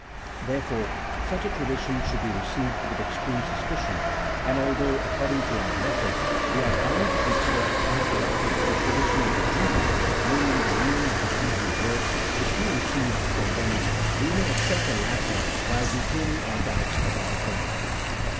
Therefore such a. tradition should be received with extreme suspicion ; and although, according to our method, we are. bound to con sider as uncorrupted the tradition of the Jews, namely, the meaning of the Hebrew words which we received from them, we may accept the latter while retaining our doubts about the former.